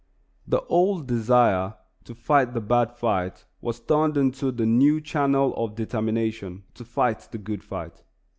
The old desire to fight the bad fight was turned into the new channel of determination to fight the good fight.